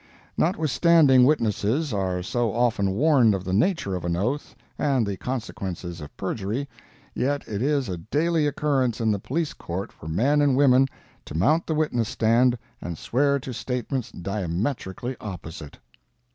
Notwithstanding witnesses are so often warned of the nature of an oath, and the consequences of perjury, yet it is a daily occurrence in the Police Court for men and women to mount the witness stand and swear to statements diametrically opposite.